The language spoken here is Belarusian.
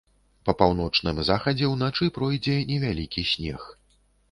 Па паўночным захадзе ўначы пройдзе невялікі снег.